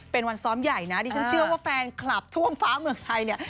เป็นวันซ้อมใหญ่นะดิฉันเชื่อว่าแฟนคลับทั่วฟ้าเมืองไทยเนี่ย